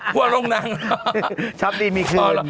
ชัวร์ลงนั้นหรอข๊อบดีมีคืน